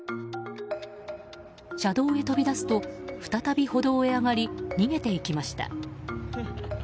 車道へ飛び出すと再び歩道へ上がり逃げていきました。